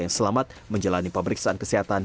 yang selamat menjalani pemeriksaan kesehatan